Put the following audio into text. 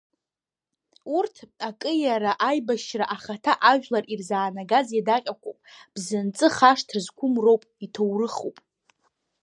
Урҭ, акы, иара аибашьра ахаҭа ажәлар ирзаанагаз иадаҟьақәоуп, бзанҵы хашҭра зқәым роуп, иҭоурыхуп.